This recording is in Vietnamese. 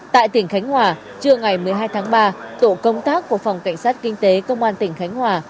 tại tỉnh khánh hòa trưa ngày một mươi hai tháng ba tổ công tác của phòng cảnh sát kinh tế công an tỉnh khánh hòa